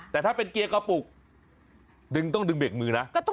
แต่ถ้าเป็นเกียร์กระปุกดึงต้องดึงเบรกมือนะ